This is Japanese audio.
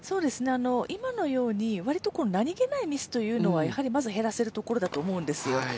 今のように割と何気ないミスというのはまず減らせるところだと思うんですよ。